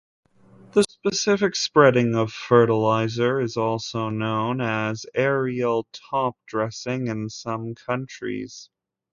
The specific spreading of fertilizer is also known as "aerial topdressing "in some countries.